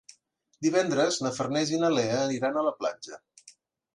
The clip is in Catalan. Divendres na Farners i na Lea iran a la platja.